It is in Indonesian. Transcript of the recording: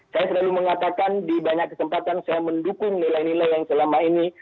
saya selalu mengatakan di banyak kesempatan saya mendukung nilai nilai yang selama ini